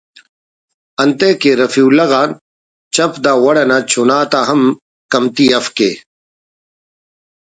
انتئے کہ رفیع اللہ غان چَپ دا وڑ انا چنا تا ہم کمتی اف کہ